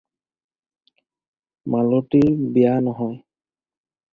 মালতীৰ বিয়া নহয়।